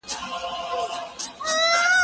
زه به سبا زده کړه کوم؟!